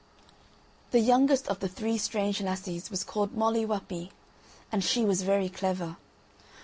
The youngest of the three strange lassies was called Molly Whuppie, and she was very clever.